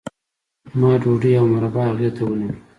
ما ډوډۍ او مربا هغې ته ونیوله